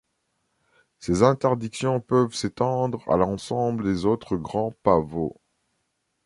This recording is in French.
Ses interdictions peuvent s'étendre à l'ensemble des autres grands pavots.